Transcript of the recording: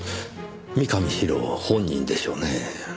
三上史郎本人でしょうねぇ。